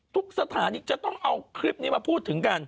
ทุกสถานีจะต้องเอาคลิปนี้มาพูดถึงกัน